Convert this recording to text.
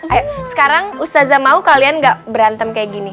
ayo sekarang ustazah mau kalian gak berantem kayak gini